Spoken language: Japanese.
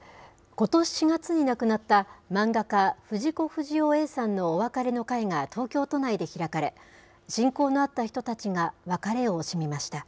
ことし４月に亡くなった漫画家、藤子不二雄Ａさんのお別れの会が東京都内で開かれ、親交のあった人たちが別れを惜しみました。